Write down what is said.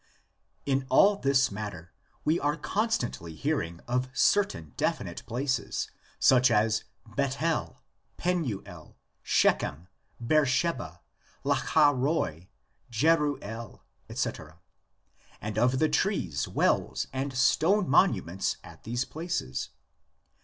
In all this matter we are constantly hearing of certain definite places, such as Bethel, Penuel, Shechem, Beersheba, Lacha roi, Jeruel, etc., and of the trees, wells, and stone monuments at these places.